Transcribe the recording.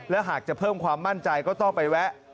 และหากจะเพิ่มความมั่นใจก็ต้องไปแวะ